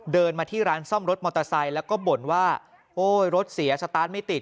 เดินมาที่ร้านซ่อมรถมอเตอร์ไซค์แล้วก็บ่นว่าโอ้ยรถเสียสตาร์ทไม่ติด